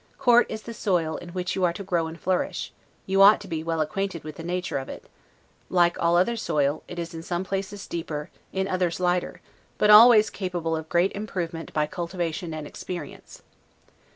Court is the soil in which you are to grow and flourish; you ought to be well acquainted with the nature of it; like all other soil, it is in some places deeper, in others lighter, but always capable of great improvement by cultivation and experience.